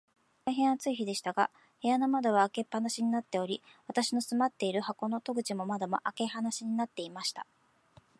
大へん暑い日でしたが、部屋の窓は開け放しになっており、私の住まっている箱の戸口も窓も、開け放しになっていました。